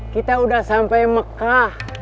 kita udah sampai mekah